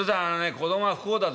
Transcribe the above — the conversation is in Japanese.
子供は不幸だぞ。